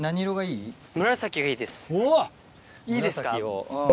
いいですか？